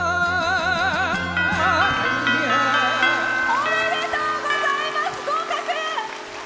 おめでとうございます！